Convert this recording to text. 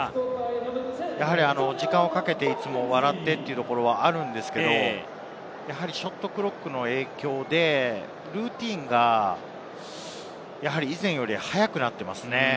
時間をかけて、いつも笑ってというところがあるんですけれど、ショットクロックの影響でルーティンが以前より早くなっていますね。